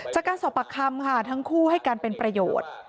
จากการสอบปากคำค่ะทั้งคู่ให้การเป็นประโยชน์